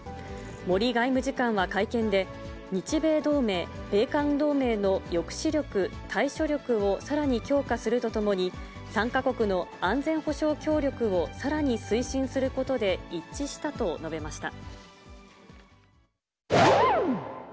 森外務次官は会見で、日米同盟、米韓同盟の抑止力、対処力をさらに強化するとともに、３か国の安全保障協力をさらに推進することで一致したと述べました。